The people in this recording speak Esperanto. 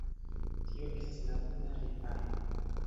tio estas la nuna realo.